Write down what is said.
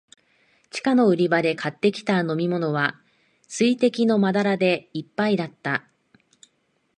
地下の売り場で買ってきた飲みものは、水滴のまだらでいっぱいだった。